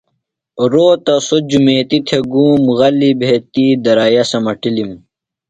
روتہ سوۡ جُمیتیۡ تھےۡ گُوم۔ غلیۡ بھےۡ تی درائِیا سمٹِلِم۔